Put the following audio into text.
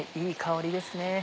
いい香りですね。